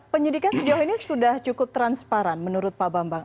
penyidikan sejauh ini sudah cukup transparan menurut pak bambang